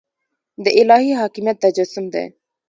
د الهي حاکمیت تجسم دی.